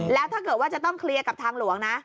แล้วถ้าเกิดว่าจะต้องเคลียร์กับทางหลวงนะ